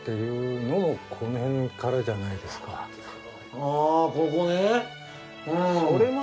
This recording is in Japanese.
ああここね。